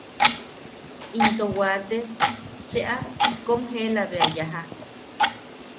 Into wate cheʼa kom jeela bea yaja.